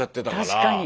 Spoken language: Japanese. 確かに！